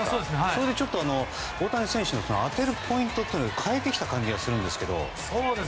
それで大谷選手当てるポイントを変えてきた感じがするんですけど。